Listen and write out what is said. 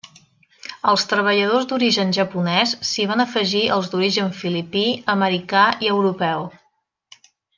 Als treballadors d'origen japonés s'hi van afegir els d'origen filipí, americà i europeu.